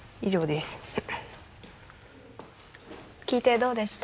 聞いてどうでした？